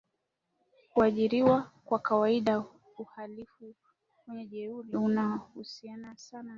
kuajiriwa Kwa kawaida uhalifu wenye jeuri unahusiana sana na